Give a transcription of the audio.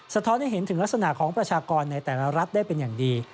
ท้อนให้เห็นถึงลักษณะของประชากรในแต่ละรัฐได้เป็นอย่างดี